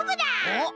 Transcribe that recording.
おっ！